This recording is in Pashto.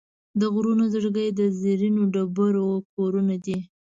د غرونو زړګي د زرینو ډبرو کورونه دي.